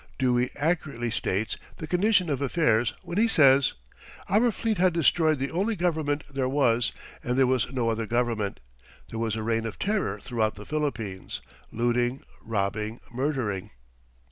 Dewey accurately states the condition of affairs when he says, "Our fleet had destroyed the only government there was, and there was no other government; there was a reign of terror throughout the Philippines, looting, robbing, murdering."